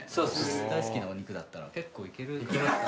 大好きなお肉だったら結構いける。